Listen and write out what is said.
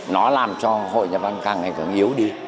nó làm cho hội nhà văn càng ngày càng yếu đi